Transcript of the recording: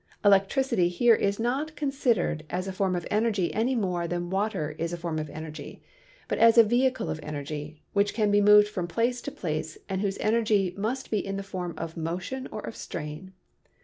Electricity here is not considered as a form of energy any more than water is a form of energy, but as a vehicle of energy, which can be moved from place to place and whose energy must be in the form of motion or of strain.